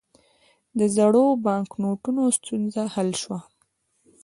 د زړو بانکنوټونو ستونزه حل شوه؟